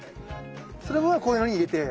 それはこういうのに入れて？